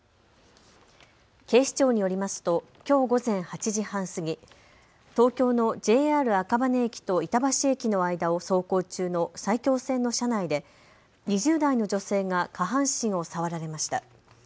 警視庁によりますときょう午前８時半過ぎ、東京のＪＲ赤羽駅と板橋駅の間を走行中の埼京線の車内で２０代の女性が下半身を触られました。